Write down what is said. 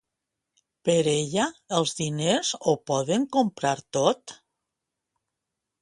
Per ella, els diners ho poden comprar tot?